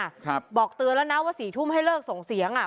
ครับบอกเตือนแล้วนะว่าสี่ทุ่มให้เลิกส่งเสียงอ่ะ